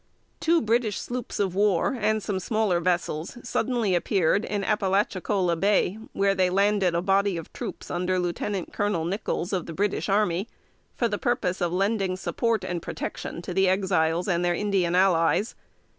] Two British sloops of war and some smaller vessels suddenly appeared in Appalachicola Bay, where they landed a body of troops, under Lieut. Colonel Nichols, of the British Army, for the purpose of lending support and protection to the Exiles and their Indian allies.